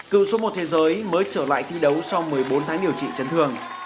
cựu số một thế giới mới trở lại thi đấu sau một mươi bốn tháng điều trị chấn thương